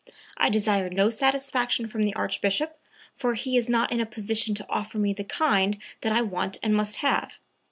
I desire no satisfaction from the Archbishop, for he is not in a position to offer me the kind that I want and must have.